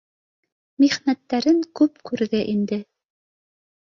Михнәттәрен күп күрҙе инде